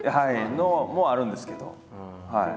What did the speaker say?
のもあるんですけど。